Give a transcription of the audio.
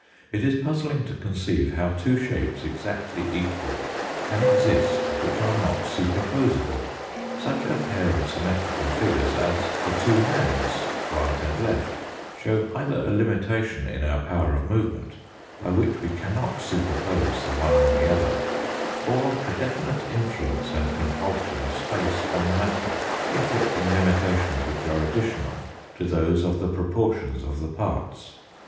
It is puzzling to conceive how two shapes exactly equal can exist which are not superposible. Such a pair of symmetrical figures as the two hands, right and left, show either a limitation in our power of movement, by which we cannot superpose the one on the other, or a definite influence and compulsion of space on matter, inflicting limitations which are additional to those of the proportions of the parts.